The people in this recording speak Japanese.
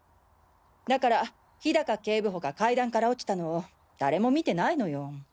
だから氷高警部補が階段から落ちたのを誰も見てないのよ。